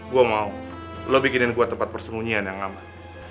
gue mau lo bikinin gue tempat persembunyian yang aman